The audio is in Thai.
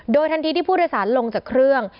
โดยทันทีที่ผู้โดยสารลงจากเครื่อง